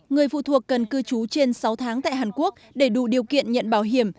người phụ thuộc cần cư trú trên sáu tháng tại hàn quốc để đủ điều kiện nhận bảo hiểm